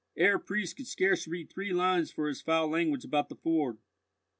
Herr Priest could scarce read three lines for his foul language about the ford.